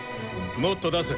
もっと出せ。